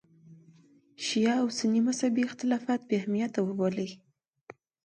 شیعه او سني مذهبي اختلافات بې اهمیته وبولي.